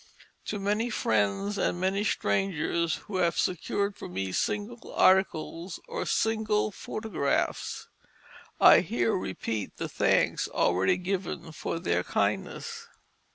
To many friends, and many strangers, who have secured for me single articles or single photographs, I here repeat the thanks already given for their kindness.